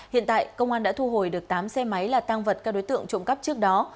hiện tại công an đã thu hồi được tám xe máy là tăng vật các đối tượng trộm cắp trước đó